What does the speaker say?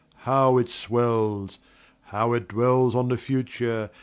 How it swells! How it dwellsOn the Future!